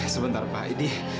sebentar pak ini